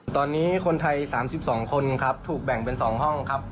ตอนนี้คนไทย๓๒คนครับถูกแบ่งเป็น๒ห้องครับ